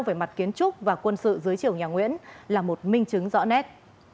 về mặt kiến trúc và quân sự dưới chiều nhà nguyễn là một minh chứng rõ nét